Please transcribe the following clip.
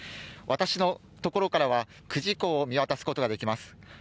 私のところからは久慈港を見渡すことができます。